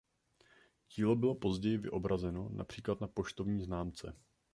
Dílo bylo později vyobrazeno například na poštovní známce.